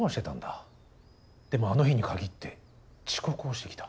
でもあの日にかぎって遅刻をしてきた。